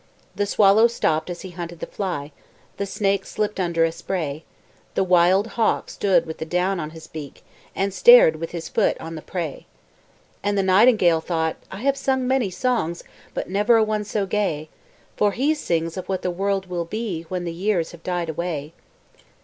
The swallow stopt as he hunted the fly, The snake slipt under a spray, The wild hawk stood with the down on his beak, And stared, with his foot on the prey, And the nightingale thought, "I have sung many songs, But never a one so gay, For he sings of what the world will be When the years have died away."